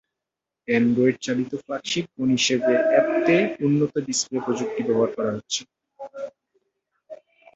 অ্যান্ড্রয়েডচালিত flagship phone হিসেবে এতে উন্নত ডিসপ্লে প্রযুক্তি ব্যবহার করা হচ্ছে।